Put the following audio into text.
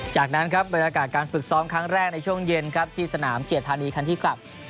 จากนั้นครับบรรยากาศการฝึกซ้อมครั้งแรกในช่วงเย็นครับที่สนามเกียรติธานีคันที่กลับ